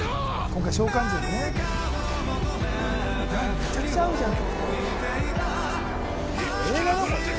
めちゃくちゃ合うじゃん。